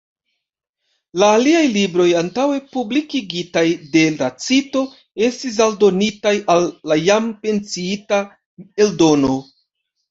La aliaj libroj antaŭe publikigitaj de Tacito estis aldonitaj al la jam menciita eldono.